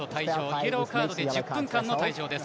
イエローカードで１０分間の退場です。